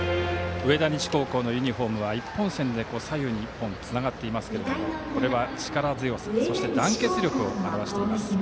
上田西高校のユニフォームは一本線で、文字が左右につながっていますけどもこれは、力強さそして団結力を表します。